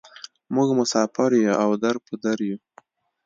موږ مسافر یوو او در په در یوو.